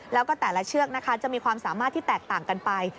แล้วก็แต่ละเชือกนะคะจะมีความสามารถที่แตกต่างกันไป